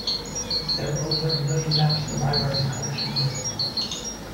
There are over a million maps in the Library's collections.